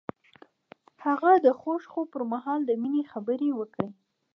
هغه د خوږ خوب پر مهال د مینې خبرې وکړې.